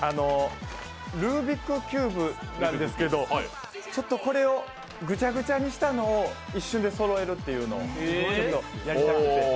ルービックキューブなんですけど、これをぐちゃぐちゃにしたのを一瞬でそろえるっていうのをやりたくて、。